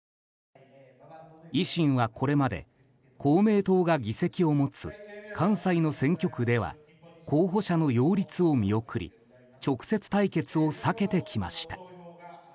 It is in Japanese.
維新はこれまで公明党が議席を持つ関西の選挙区では候補者の擁立を見送り直接対決を避けてきました。